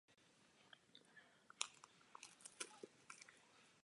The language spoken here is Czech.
Globální konference o šaría.